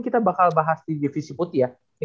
kita bakal bahas di divisi putih ya